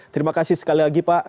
terima kasih sekali lagi pak